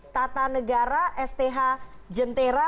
tata negara sth jentera